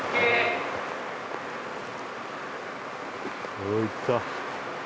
おぉいった。